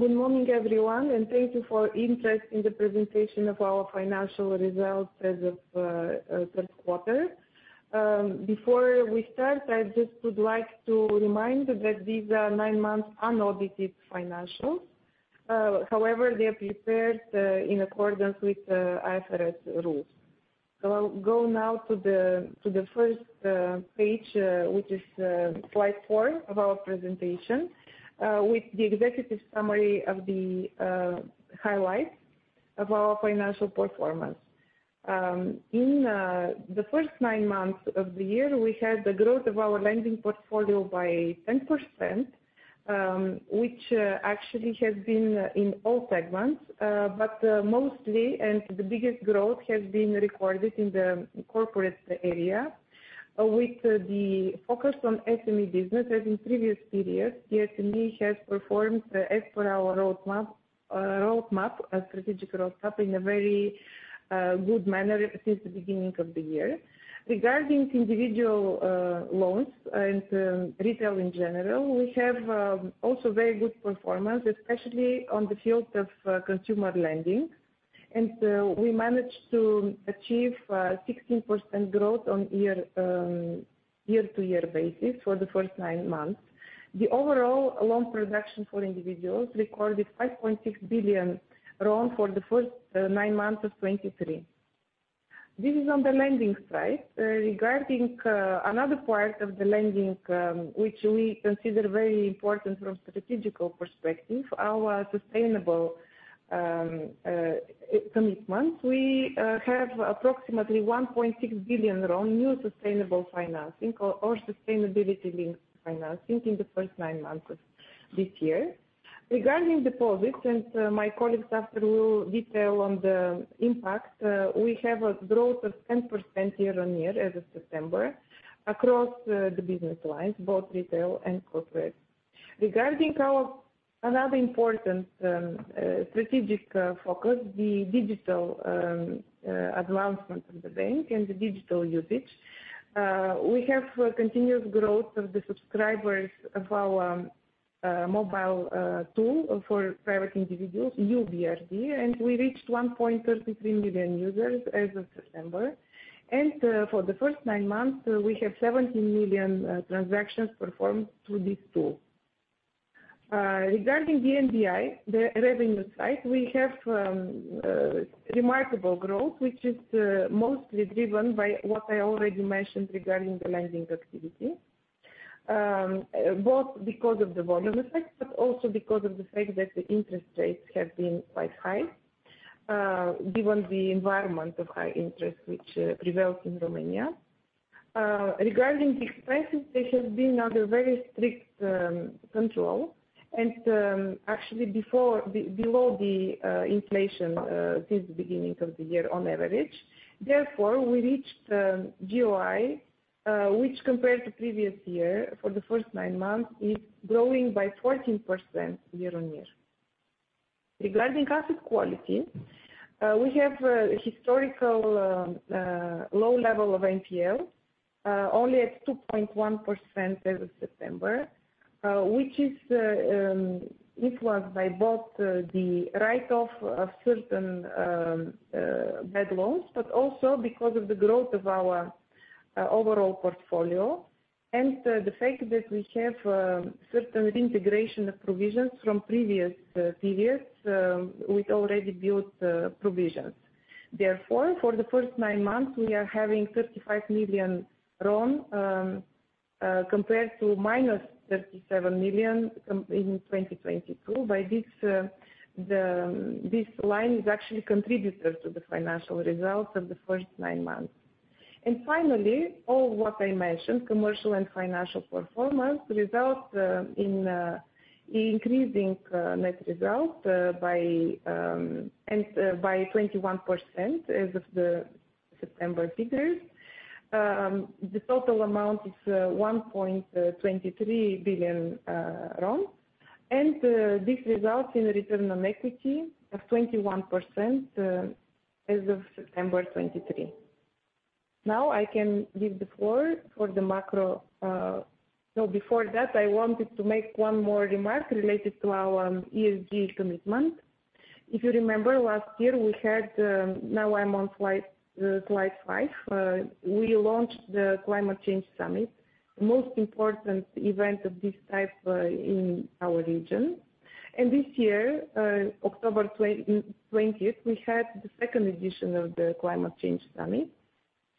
Good morning, everyone, and thank you for interest in the presentation of our financial results as of third quarter. Before we start, I just would like to remind that these are nine months unaudited financials. However, they are prepared in accordance with IFRS rules. So I'll go now to the first page, which is slide 4 of our presentation with the executive summary of the highlights of our financial performance. In the first nine months of the year, we had the growth of our lending portfolio by 10%, which actually has been in all segments. But mostly and the biggest growth has been recorded in the corporate area with the focus on SME business. As in previous periods, the SME has performed as per our roadmap, a strategic roadmap, in a very good manner since the beginning of the year. Regarding individual loans and retail in general, we have also very good performance, especially on the field of consumer lending. We managed to achieve 16% growth on a year-to-year basis for the first nine months. The overall loan production for individuals recorded RON 5.6 billion for the first nine months of 2023. This is on the lending side. Regarding another part of the lending, which we consider very important from a strategic perspective, our sustainable commitment. We have approximately RON 1.6 billion new sustainable financing or sustainability-linked financing in the first nine months of this year. Regarding deposits, and, my colleagues after will detail on the impact, we have a growth of 10% year-on-year as of September across the business lines, both retail and corporate. Regarding our another important strategic focus, the digital advancement of the bank and the digital usage, we have a continuous growth of the subscribers of our mobile tool for private individuals, YOU BRD, and we reached 1.33 million users as of September. For the first nine months, we have 17 million transactions performed through this tool. Regarding the NBI, the revenue side, we have remarkable growth, which is mostly driven by what I already mentioned regarding the lending activity. Both because of the volume effect, but also because of the fact that the interest rates have been quite high, given the environment of high interest which prevails in Romania. Regarding the expenses, they have been under very strict control and, actually before, below the inflation since the beginning of the year on average. Therefore, we reached GOI, which compared to previous year for the first nine months, is growing by 14% year-on-year. Regarding asset quality, we have historical low level of NPL, only at 2.1% as of September. Which is influenced by both the write-off of certain bad loans, but also because of the growth of our overall portfolio, and the fact that we have certain integration of provisions from previous periods with already built provisions. Therefore, for the first nine months, we are having RON 35 million compared to minus RON 37 million in 2022. By this, this line is actually contributor to the financial results of the first nine months. And finally, all what I mentioned, commercial and financial performance, result in increasing net result by 21% as of the September figures. The total amount is RON 1.23 billion, and this results in return on equity of 21% as of September 2023. Now, I can give the floor for the macro. No, before that, I wanted to make one more remark related to our ESG commitment. If you remember, last year we had, now I'm on slide 5. We launched the Climate Change Summit, most important event of this type in our region. And this year, October twentieth, we had the second edition of the Climate Change Summit.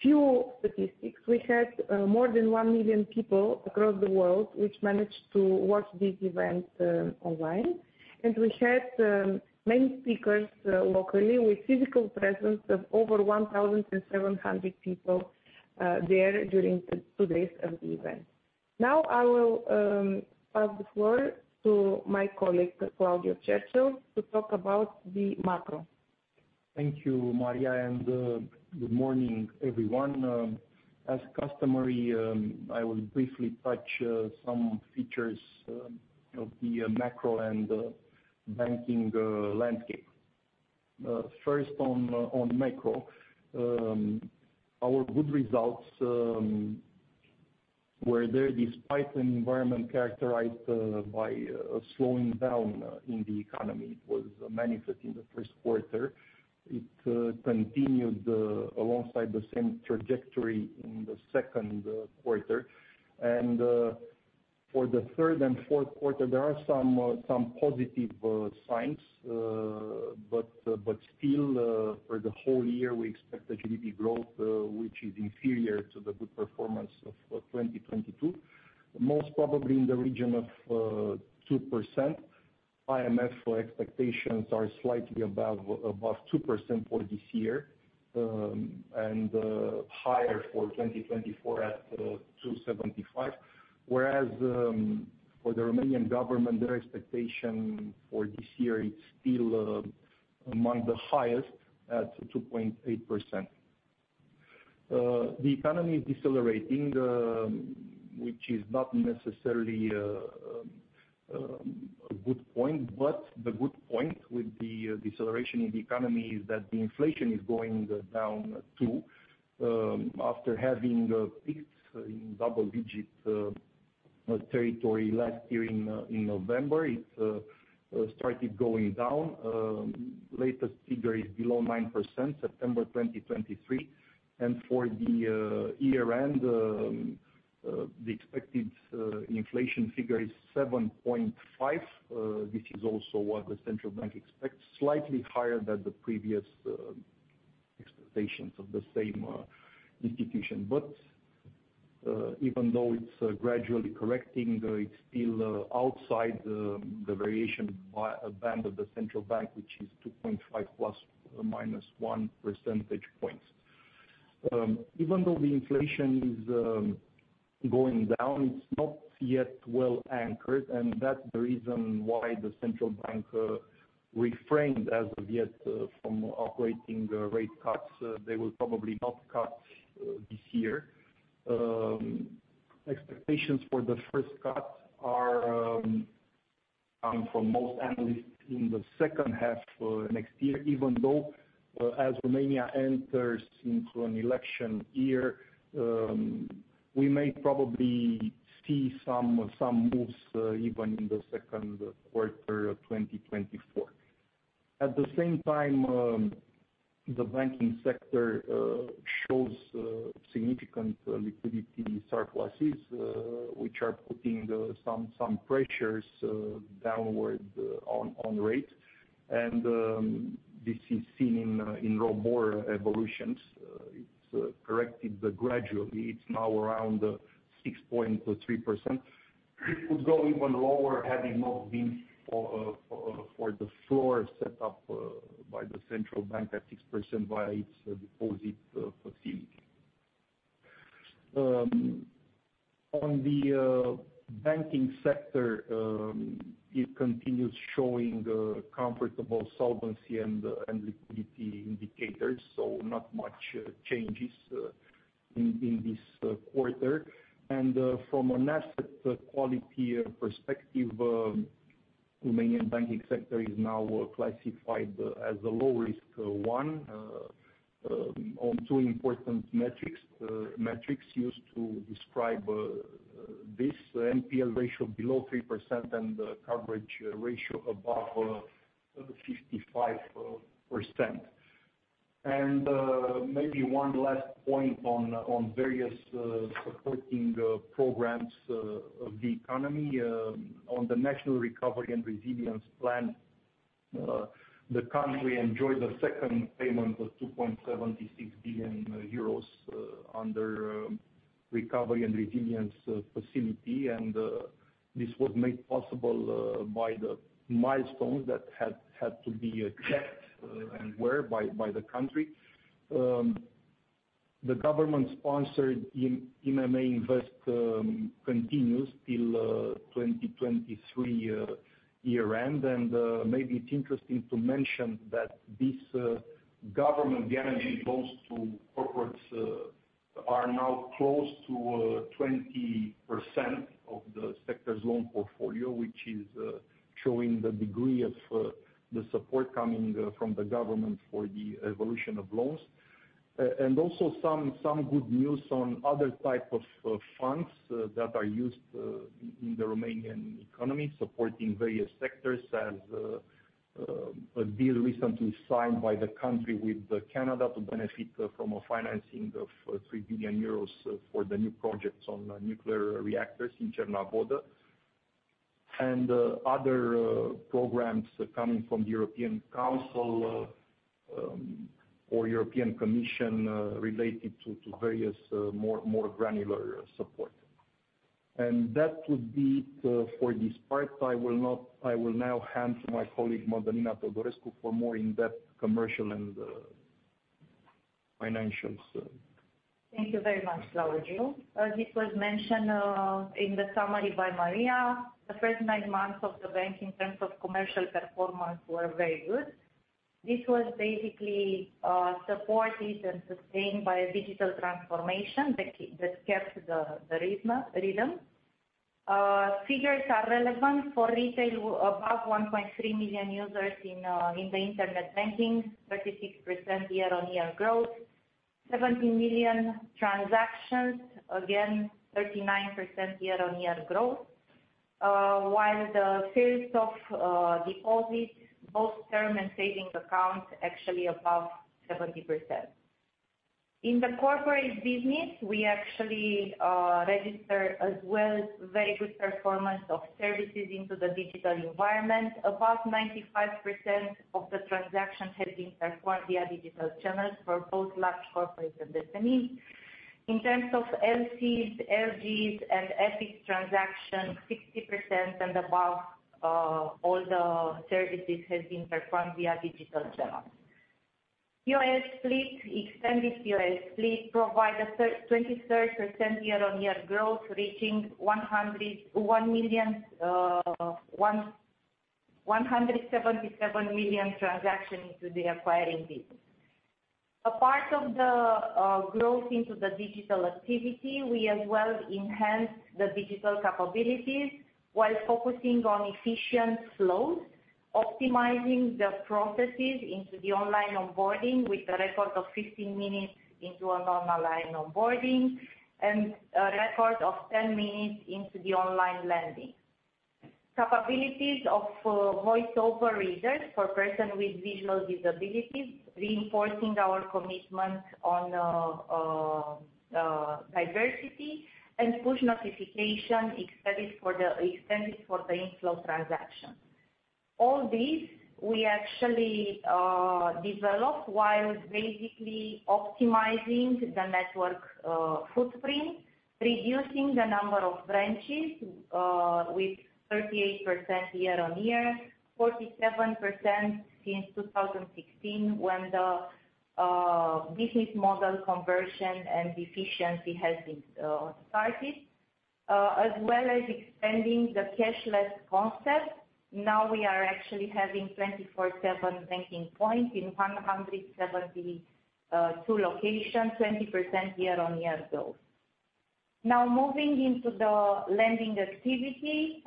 Few statistics: We had more than 1 million people across the world, which managed to watch this event online. And we had many speakers locally, with physical presence of over 1,700 people there during the two days of the event. Now, I will have the floor to my colleague, Claudiu Cercel, to talk about the macro. Thank you, Maria, and good morning, everyone. As customary, I will briefly touch some features of the macro and banking landscape. First on macro. Our good results where there, despite an environment characterized by a slowing down in the economy, it was manifest in the first quarter. It continued alongside the same trajectory in the second quarter. For the third and fourth quarter, there are some positive signs, but still, for the whole year, we expect the GDP growth which is inferior to the good performance of 2022. Most probably in the region of 2%. IMF expectations are slightly above 2% for this year, and higher for 2024 at 2.75%. Whereas, for the Romanian government, their expectation for this year is still, among the highest at 2.8%. The economy is decelerating, which is not necessarily, a good point, but the good point with the, deceleration in the economy is that the inflation is going down, too. After having, peaks in double digits, territory last year in, in November, it, started going down. Latest figure is below 9%, September 2023. And for the, year end, the expected, inflation figure is 7.5, which is also what the central bank expects, slightly higher than the previous, expectations of the same, institution. But even though it's gradually correcting, it's still outside the variation band of the central bank, which is 2.5 ±1 percentage points. Even though the inflation is going down, it's not yet well anchored, and that's the reason why the central bank refrained as of yet from operating rate cuts. They will probably not cut this year. Expectations for the first cut are from most analysts in the second half next year, even though as Romania enters into an election year, we may probably see some moves even in the second quarter of 2024. At the same time, the banking sector shows significant liquidity surpluses, which are putting some pressures downward on rate. This is seen in ROBOR evolutions. It's corrected, but gradually it's now around 6.3%. It would go even lower, having not been for the floor set up by the central bank at 6% via its deposit facility. On the banking sector, it continues showing comfortable solvency and liquidity indicators, so not much changes in this quarter. From an asset quality perspective, Romanian banking sector is now classified as a low-risk one on two important metrics, metrics used to describe this NPL ratio below 3% and the coverage ratio above 55%. Maybe one last point on various supporting programs of the economy. On the National Recovery and Resilience Plan, the country enjoyed a second payment of 2.76 billion euros under recovery and resilience facility. This was made possible by the milestones that had to be checked and were by the country. The government-sponsored IMM Invest continues till 2023 year end. Maybe it's interesting to mention that this government guarantee loans to corporates are now close to 20% of the sector's loan portfolio, which is showing the degree of the support coming from the government for the evolution of loans. And also some good news on other type of funds that are used in the Romanian economy, supporting various sectors as a deal recently signed by the country with Canada to benefit from a financing of 3 billion euros for the new projects on nuclear reactors in Cernavodă. And other programs coming from the European Council or European Commission related to various more granular support. And that would be it for this part. I will now hand to my colleague, Madalina Togarescu, for more in-depth commercial and financials. Thank you very much, Claudiu. As it was mentioned in the summary by Maria, the first nine months of the bank in terms of commercial performance were very good. This was basically supported and sustained by a digital transformation that kept the rhythm. Figures are relevant for retail above 1.3 million users in the internet banking, 36% year-on-year growth, 17 million transactions, again, 39% year-on-year growth. While the sales of deposits, both term and savings accounts, actually above 70%. In the corporate business, we actually register as well very good performance of services into the digital environment. About 95% of the transactions have been performed via digital channels for both large corporate and the SMEs. In terms of LCs, LGs and FX transactions, 60% and above, all the services has been performed via digital channels. POS fleet, extended POS fleet provide a 23% year-on-year growth, reaching 101 million, one, 177 million transactions into the acquiring business. A part of the growth into the digital activity, we as well enhance the digital capabilities, while focusing on efficient flows, optimizing the processes into the online onboarding, with a record of 15 minutes into a normal line onboarding, and a record of 10 minutes into the online lending. Capabilities of voice-over readers for person with visual disabilities, reinforcing our commitment on diversity and push notification extended for the inflow transaction. All this, we actually developed while basically optimizing the network footprint, reducing the number of branches with 38% year-on-year, 47% since 2016, when the business model conversion and efficiency has been started. As well as expanding the cashless concept. Now we are actually having 24/7 banking points in 172 locations, 20% year-on-year growth. Now, moving into the lending activity,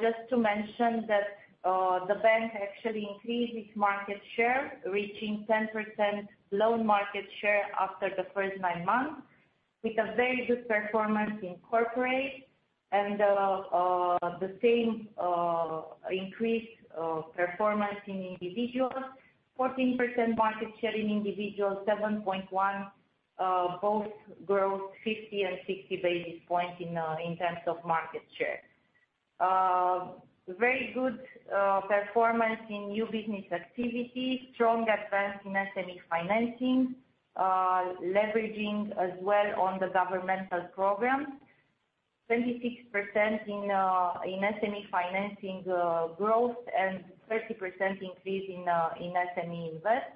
just to mention that the bank actually increased its market share, reaching 10% loan market share after the first nine months, with a very good performance in corporate and the same increase performance in individual. 14% market share in individual, 7.1, both growth 50 and 60 basis points in terms of market share. Very good performance in new business activity, strong advance in SME financing, leveraging as well on the governmental program. 26% in SME financing growth and 30% increase in IMM Invest.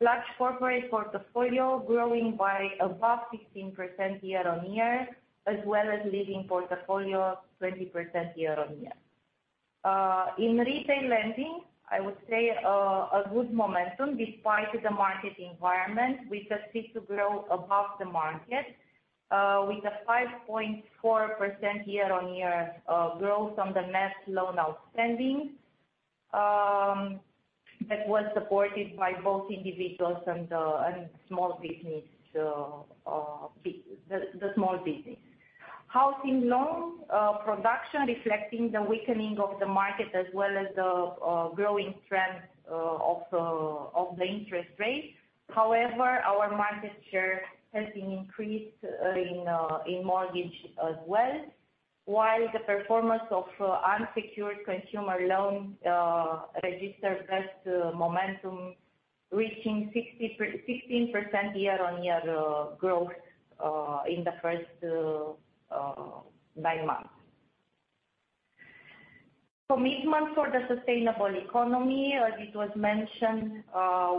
Large corporate portfolio growing by above 16% year-on-year, as well as leasing portfolio 20% year-on-year. In retail lending, I would say, a good momentum despite the market environment. We just seek to grow above the market, with a 5.4% year-on-year growth on the net loan outstanding, that was supported by both individuals and small business. Housing loan production reflecting the weakening of the market, as well as the growing trend of the interest rates. However, our market share has been increased in mortgage as well, while the performance of unsecured consumer loans registered best momentum, reaching 16% year-on-year growth in the first nine months. Commitment for the sustainable economy, as it was mentioned,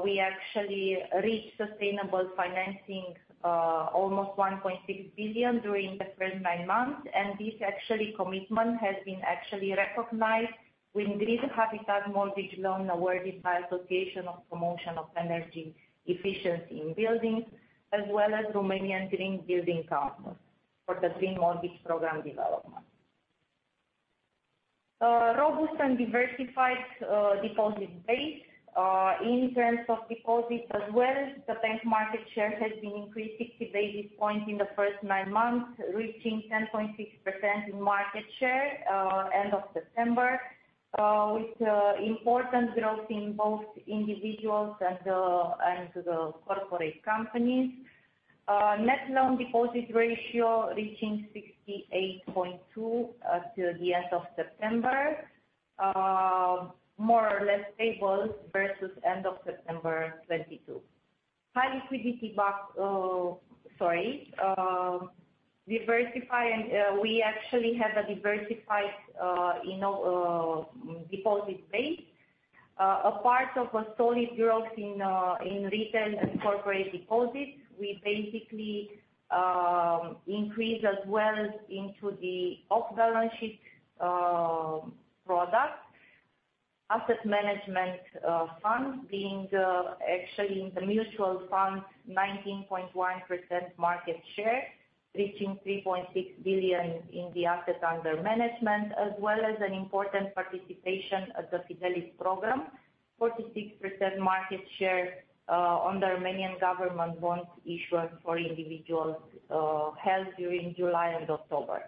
we actually reached sustainable financing almost RON 1.6 billion during the first nine months. And this actually commitment has been actually recognized with Green Habitat Mortgage Loan awarded by Association of Promotion of Energy Efficiency in Buildings, as well as Romanian Green Building Council for the Green Mortgage program development. Robust and diversified deposit base. In terms of deposits as well, the bank market share has been increased 60 basis points in the first nine months, reaching 10.6% in market share end of September. With important growth in both individuals and the corporate companies. Net loan deposit ratio reaching 68.2 till the end of September. More or less stable versus end of September 2022. High liquidity buffer, sorry, diversified, and we actually have a diversified, you know, deposit base. A part of a solid growth in retail and corporate deposits, we basically increase as well into the off-balance sheet product: asset management funds, being actually in the mutual funds, 19.1% market share, reaching RON 3.6 billion in the assets under management, as well as an important participation at the FIDELIS program. 46% market share on the Romanian government bonds issuance for individuals held during July and October.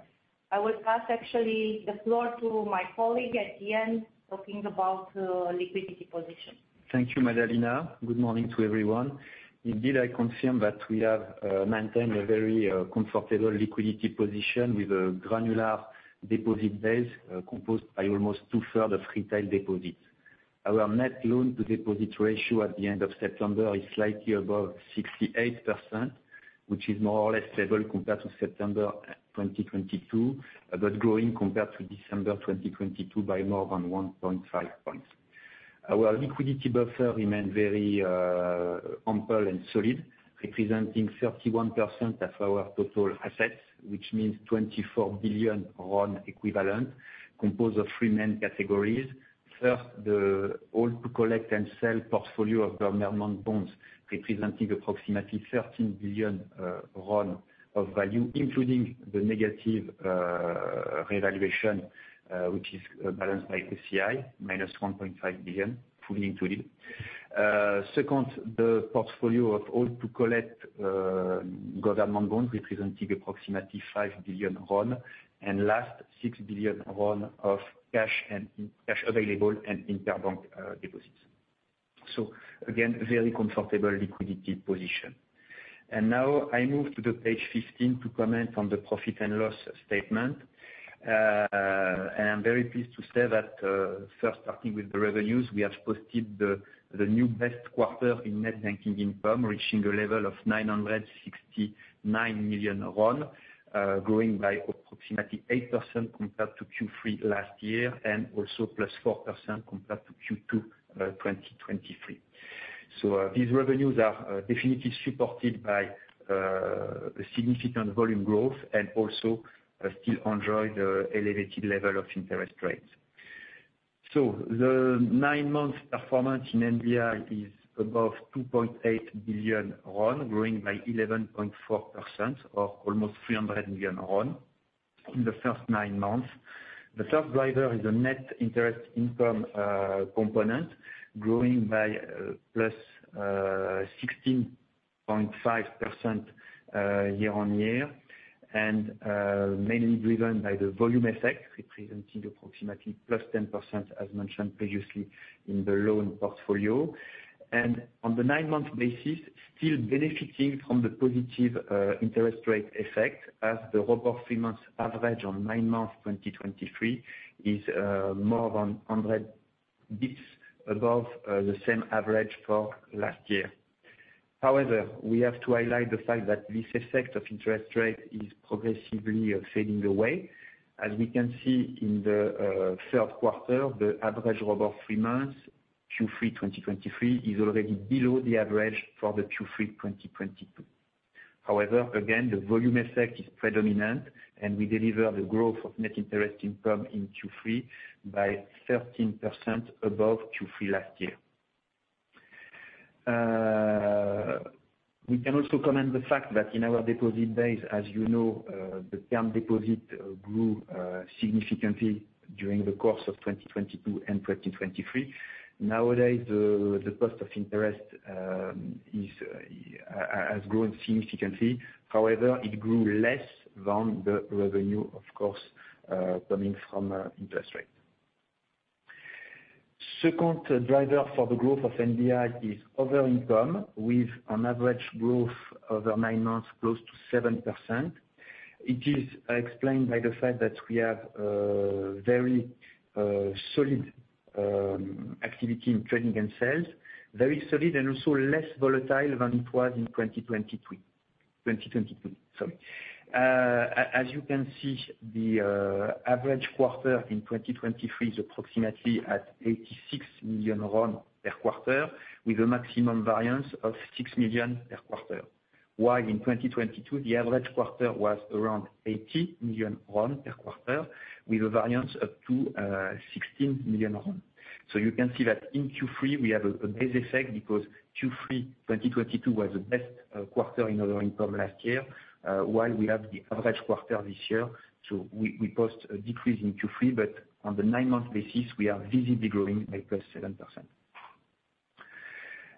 I will pass actually the floor to my colleague at the end, talking about liquidity position. Thank you, Madalina. Good morning to everyone. Indeed, I confirm that we have maintained a very comfortable liquidity position with a granular deposit base composed by almost two-third of retail deposits. Our net loan to deposit ratio at the end of September is slightly above 68%, which is more or less stable compared to September 2022, but growing compared to December 2022 by more than 1.5 points. Our liquidity buffer remained very ample and solid, representing 31% of our total assets, which means 24 billion RON equivalent, composed of three main categories. First, the hold-to-collect and sell portfolio of government bonds, representing approximately 13 billion RON of value, including the negative revaluation which is balanced by FVOCI, minus 1.5 billion, fully included. Second, the portfolio of hold-to-collect government bonds, representing approximately RON 5 billion, and last, RON 6 billion of cash and cash available and interbank deposits. So again, very comfortable liquidity position. And now I move to page 15 to comment on the profit and loss statement. And I'm very pleased to say that, first starting with the revenues, we have posted the new best quarter in net banking income, reaching a level of RON 969 million, growing by approximately 8% compared to Q3 last year, and also +4% compared to Q2 2023. So, these revenues are definitely supported by a significant volume growth and also still enjoy the elevated level of interest rates. So the nine-month performance in NBI is above 2.8 billion RON, growing by 11.4%, or almost 300 million RON in the first nine months. The third driver is a net interest income component, growing by +16.5% year-on-year, and mainly driven by the volume effect, representing approximately +10%, as mentioned previously, in the loan portfolio. And on the nine-month basis, still benefiting from the positive interest rate effect, as the ROBOR three months average on nine months 2023 is more than 100 basis points above the same average for last year. However, we have to highlight the fact that this effect of interest rate is progressively fading away. As we can see in the third quarter, the average over three months, Q3 2023, is already below the average for the Q3 2022. However, again, the volume effect is predominant, and we deliver the growth of net interest income in Q3 by 13% above Q3 last year. We can also comment the fact that in our deposit base, as you know, the term deposit grew significantly during the course of 2022 and 2023. Nowadays, the cost of interest has grown significantly. However, it grew less than the revenue, of course, coming from interest rate. Second driver for the growth of NBI is other income, with an average growth over nine months, close to 7%. It is explained by the fact that we have very solid activity in trading and sales. Very solid, and also less volatile than it was in 2023 - 2022, sorry. As you can see, the average quarter in 2023 is approximately at RON 86 million per quarter, with a maximum variance of RON 6 million per quarter. While in 2022, the average quarter was around RON 80 million per quarter, with a variance of up to 16 million RON. So you can see that in Q3, we have a base effect, because Q3 2022 was the best quarter in our income last year, while we have the average quarter this year. So we post a decrease in Q3, but on the nine-month basis, we are visibly growing by +7%.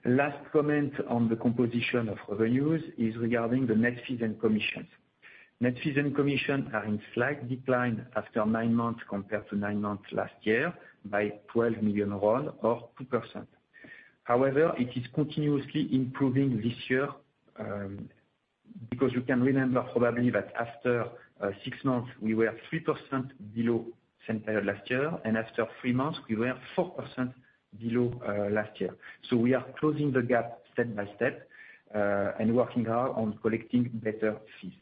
Last comment on the composition of revenues is regarding the net fees and commissions. Net fees and commission are in slight decline after nine months compared to nine months last year, by RON 12 million, or 2%. However, it is continuously improving this year, because you can remember probably that after six months, we were 3% below same period last year, and after three months, we were 4% below last year. So we are closing the gap step by step, and working hard on collecting better fees.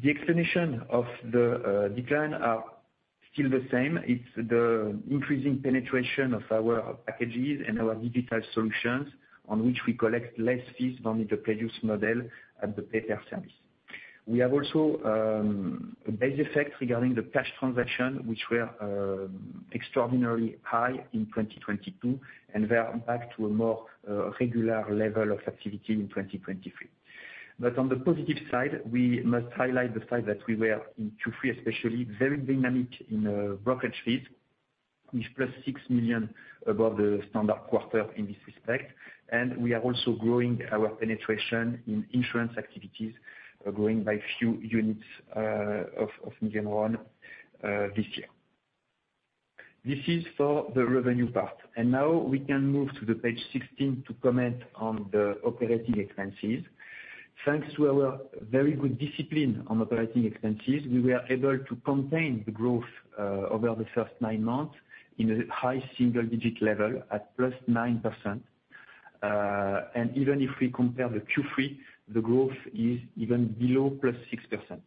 The explanation of the decline are still the same. It's the increasing penetration of our packages and our digital solutions, on which we collect less fees from the previous model and the pay-per-service. We have also a base effect regarding the cash transaction, which were extraordinarily high in 2022, and we are back to a more regular level of activity in 2023. But on the positive side, we must highlight the fact that we were, in Q3 especially, very dynamic in brokerage fees, with +RON 6 million above the standard quarter in this respect, and we are also growing our penetration in insurance activities, growing by few units of million RON this year. This is for the revenue part, and now we can move to the page 16 to comment on the operating expenses. Thanks to our very good discipline on operating expenses, we were able to contain the growth over the first nine months in a high single-digit level at +9%. And even if we compare the Q3, the growth is even below +6%.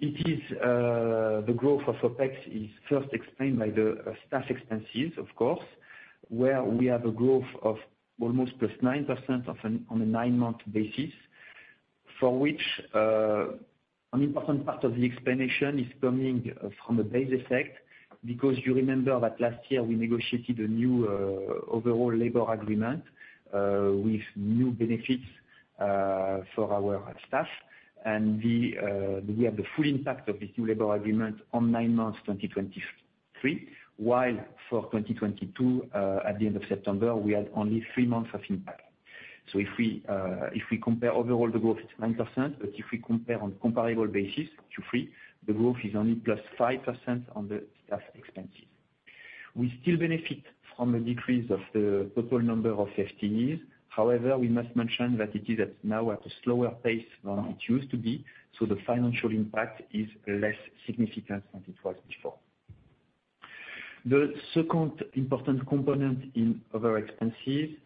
It is the growth of OpEx first explained by the staff expenses, of course, where we have a growth of almost +9% on a nine-month basis, for which an important part of the explanation is coming from a base effect. Because you remember that last year we negotiated a new overall labor agreement with new benefits for our staff. And we have the full impact of the new labor agreement on nine months, 2023, while for 2022, at the end of September, we had only three months of impact. So if we, if we compare overall, the growth is 9%, but if we compare on comparable basis, Q3, the growth is only plus 5% on the staff expenses. We still benefit from a decrease of the total number of FTEs. However, we must mention that it is at, now at a slower pace than it used to be, so the financial impact is less significant than it was before. The second important component in other expenses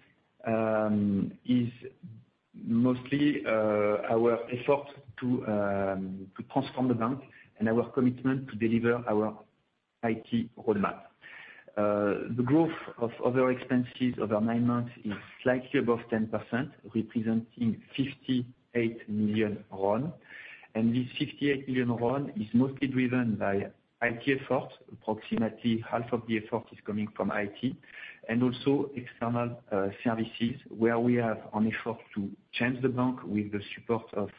is mostly our effort to, to transform the bank and our commitment to deliver our IT roadmap. The growth of other expenses over nine months is slightly above 10%, representing RON 58 million, and this RON 58 million is mostly driven by IT efforts. Approximately half of the effort is coming from IT, and also external services, where we have an effort to change the bank with the support of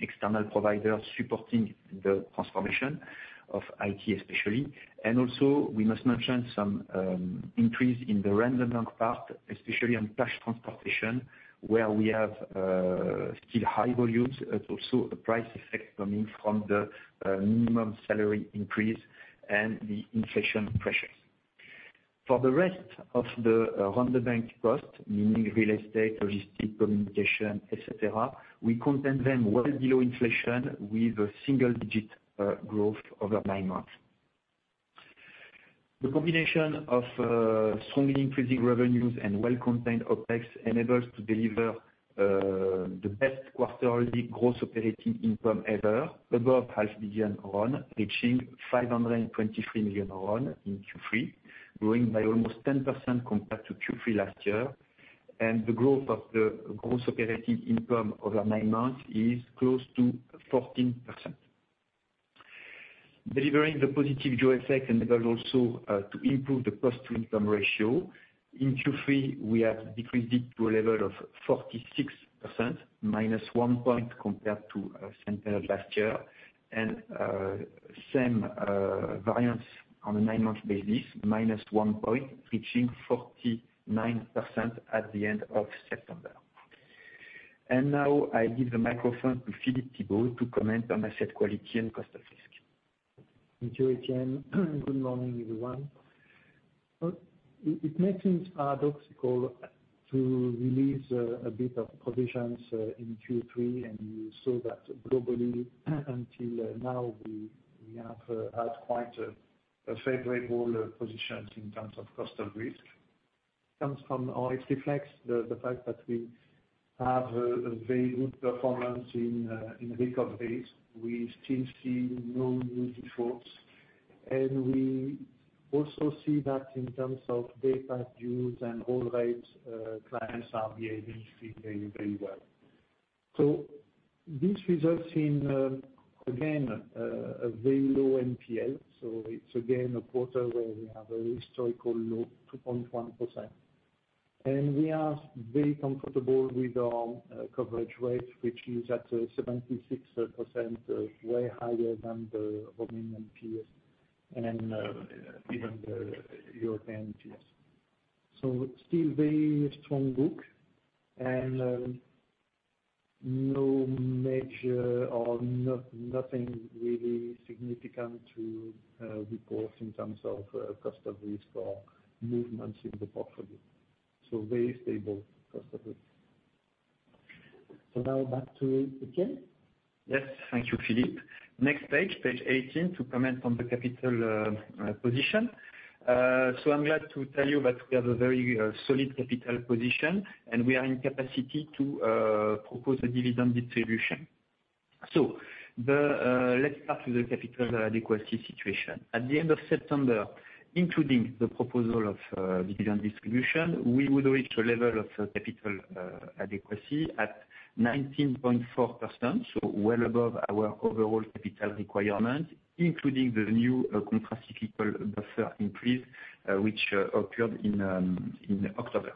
external providers supporting the transformation of IT especially. And also, we must mention some increase in the run the bank part, especially on cash transportation, where we have still high volumes, but also a price effect coming from the minimum salary increase and the inflation pressures. For the rest of the run the bank cost, meaning real estate, logistics, communication, et cetera, we contain them well below inflation with a single-digit growth over nine months. The combination of strongly increasing revenues and well-contained OpEx enables to deliver the best quarterly gross operating income ever, above RON 500 million, reaching RON 523 million in Q3, growing by almost 10% compared to Q3 last year, and the growth of the gross operating income over nine months is close to 14%. Delivering the positive effect enabled also to improve the cost-to-income ratio. In Q3, we have decreased it to a level of 46%, minus one point compared to same period last year. Same variance on a nine-month basis, minus one point, reaching 49% at the end of September. Now I give the microphone to Philippe Thibaud to comment on asset quality and cost of risk. Thank you, Etienne. Good morning, everyone. It may seem paradoxical to release a bit of provisions in Q3, and you saw that globally until now, we have had quite a favorable position in terms of cost of risk. Comes from, or it reflects the fact that we have a very good performance in recoveries. We still see no new defaults, and we also see that in terms of days past due and all rates, clients are behaving very, very well. So this results in again a very low NPL. So it's again a quarter where we have a historical low, 2.1%. And we are very comfortable with our coverage rate, which is at 76%, way higher than the Romanian peers and even the European peers. So still very strong book, and no major or nothing really significant to report in terms of cost of risk or movements in the portfolio. So very stable cost of risk. So now back to Etienne? Yes. Thank you, Philippe. Next page, page 18, to comment on the capital position. So I'm glad to tell you that we have a very solid capital position, and we are in capacity to propose a dividend distribution. So the, let's start with the capital adequacy situation. At the end of September, including the proposal of dividend distribution, we would reach a level of capital adequacy at 19.4%, so well above our overall capital requirement, including the new countercyclical buffer increase, which occurred in October.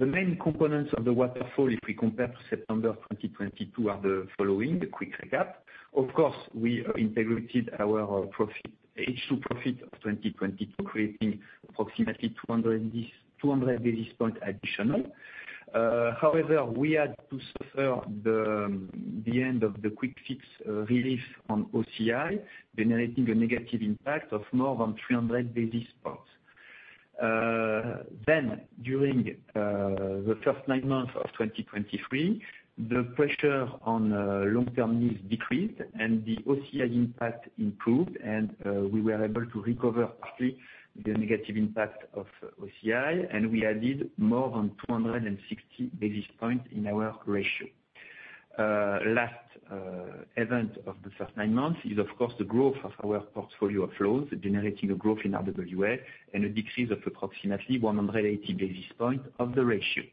The main components of the waterfall, if we compare to September 2022, are the following. A quick recap. Of course, we integrated our profit, H2 profit of 2022, creating approximately 200 and this, 200 basis point additional. However, we had to suffer the end of the quick fix relief on OCI, generating a negative impact of more than 300 basis points. Then, during the first nine months of 2023, the pressure on long-term yields decreased, and the OCI impact improved, and we were able to recover partly the negative impact of OCI, and we added more than 260 basis points in our ratio. Last event of the first nine months is, of course, the growth of our portfolio of loans, generating a growth in RWA and a decrease of approximately 180 basis points of the ratio.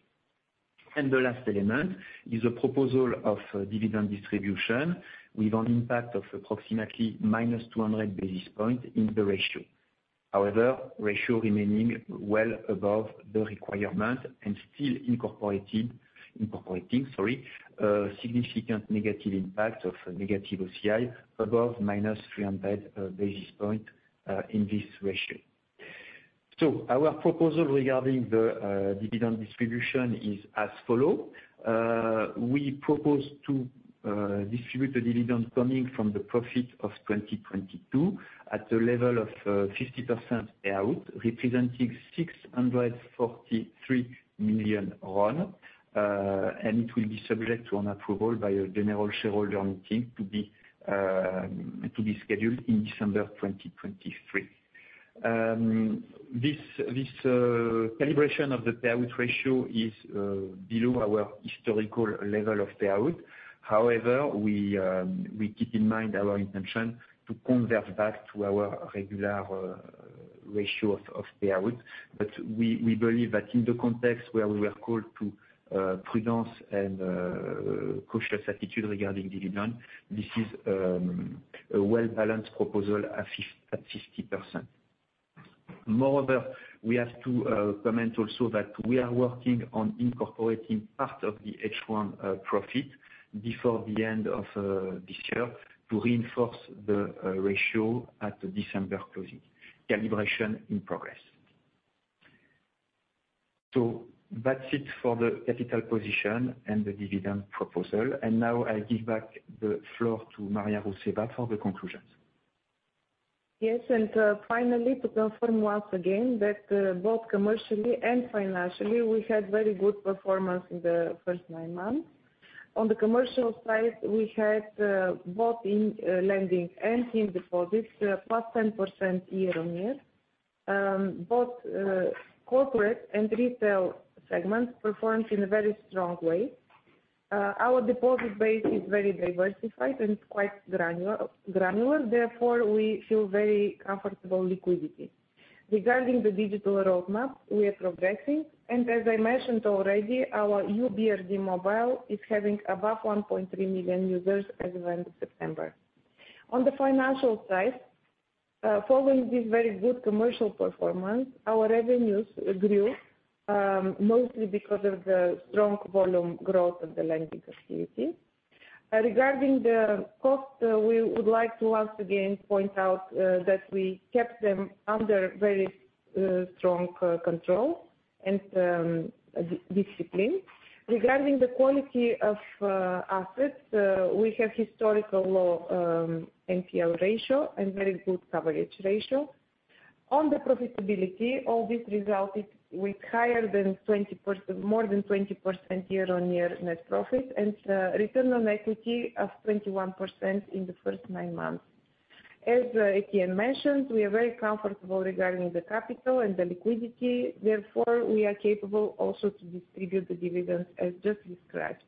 And the last element is a proposal of dividend distribution with an impact of approximately minus 200 basis points in the ratio. However, ratio remaining well above the requirement and still incorporating a significant negative impact of negative OCI above -300 basis points in this ratio. So our proposal regarding the dividend distribution is as follow. We propose to distribute the dividend coming from the profit of 2022 at a level of 50% payout, representing RON 643 million, and it will be subject to an approval by a general shareholder meeting to be scheduled in December 2023. This calibration of the payout ratio is below our historical level of payout. However, we keep in mind our intention to convert back to our regular ratio of payout. But we, we believe that in the context where we are called to prudence and cautious attitude regarding dividend, this is a well-balanced proposal at 50%. Moreover, we have to comment also that we are working on incorporating part of the H1 profit before the end of this year to reinforce the ratio at the December closing. Calibration in progress. So that's it for the capital position and the dividend proposal, and now I give back the floor to Maria Rousseva for the conclusions. Yes, and finally, to confirm once again that both commercially and financially, we had very good performance in the first nine months. On the commercial side, we had both in lending and in deposits plus 10% year-on-year. Both corporate and retail segments performed in a very strong way. Our deposit base is very diversified and quite granular, granular. Therefore, we feel very comfortable liquidity. Regarding the digital roadmap, we are progressing, and as I mentioned already, our new BRD Mobile is having above 1.3 million users as of end of September. On the financial side, following this very good commercial performance, our revenues grew mostly because of the strong volume growth of the lending activity. Regarding the cost, we would like to once again point out that we kept them under very strong control and discipline. Regarding the quality of assets, we have historical low NPL ratio and very good coverage ratio. On the profitability, all this resulted with higher than 20%, more than 20% year-on-year net profit and return on equity of 21% in the first nine months. As Etienne mentioned, we are very comfortable regarding the capital and the liquidity, therefore we are capable also to distribute the dividends as just described.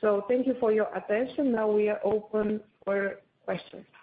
So thank you for your attention. Now we are open for questions.